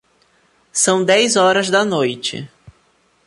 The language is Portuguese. São dez horas da noite.